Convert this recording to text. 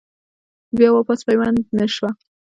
بيا واپس پيوند نۀ شوه ۔